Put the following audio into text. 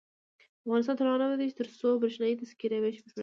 افغانستان تر هغو نه ابادیږي، ترڅو بریښنايي تذکرې ویش بشپړ نشي.